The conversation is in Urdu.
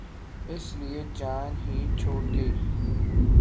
اس لیے جان ہی چھوٹ گئی۔